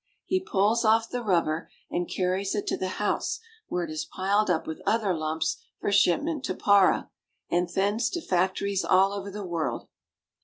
He pulls off the rubber and carries it to the house, where it is piled up with other lumps for shipment to Para, and thence to factories all over the world.